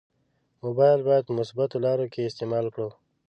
مبایل باید په مثبتو لارو کې استعمال کړو.